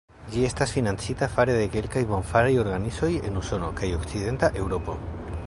Ĝi estas financita fare de kelkaj bonfaraj organizoj en Usono kaj Okcidenta Eŭropo.